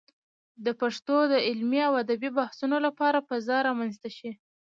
د پښتو د علمي او ادبي بحثونو لپاره فضا رامنځته شي.